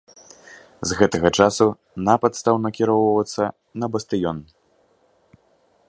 З гэтага часу напад стаў накіроўвацца на бастыён.